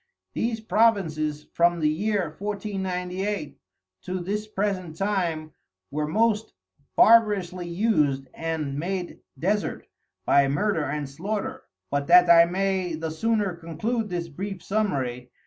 These Provinces from the Year 1498 to this present time were most barbarously us'd, and made desert by Murder and Slaughter, but that I may the sooner conclude this brief summary.